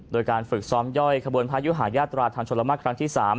โดยการฝึกซ้อมย่อยขบวนพระยุหายาตราทางชนละมากครั้งที่๓